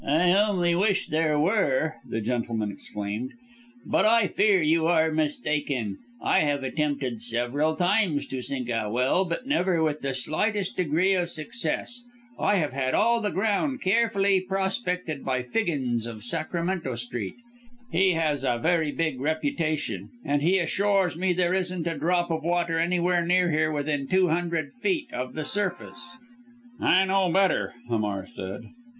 "I only wish there were," the gentleman exclaimed, "but I fear you are mistaken. I have attempted several times to sink a well but never with the slightest degree of success. I have had all the ground carefully prospected by Figgins of Sacramento Street he has a very big reputation and he assures me there isn't a drop of water anywhere near here within two hundred feet of the surface." "I know better," Hamar said.